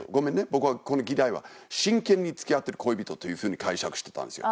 僕はこの議題は真剣に付き合ってる恋人というふうに解釈してたんですよ。